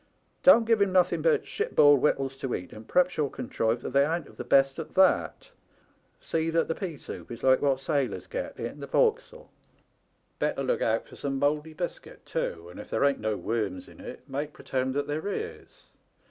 Don't give him nothen but shipboard wittles to eat ; and perhaps you'll contrive that they ain*t of the best at that. See that the pea soup is like what sailors get in the forecastle. Better look out for some mouldy biscuit, too, and if there ain't no worms in it make pretend that there is.